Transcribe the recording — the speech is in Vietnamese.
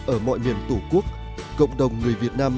ở mọi miền tổ quốc cộng đồng người việt nam